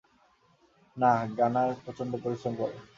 না, গানার প্রচন্ড পরিশ্রম করে।